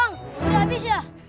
bang udah abis ya